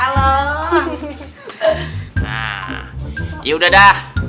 nah yaudah dah